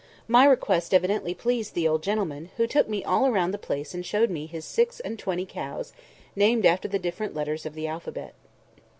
My request evidently pleased the old gentleman, who took me all round the place and showed me his six and twenty cows, named after the different letters of the alphabet.